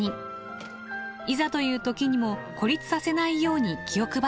いざという時にも孤立させないように気を配っています。